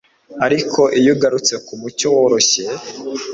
Ariko iyo ugarutse kumucyo woroshye